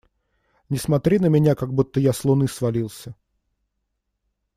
Не смотри на меня, как будто я с Луны свалился!